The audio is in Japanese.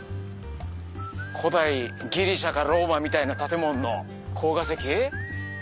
古代ギリシャかローマみたいな建物のコーガ石。